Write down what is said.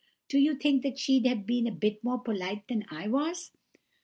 Do you think she'd have been a bit more polite than I was?